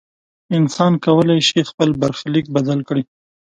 انسان کولی شي خپل برخلیک بدل کړي.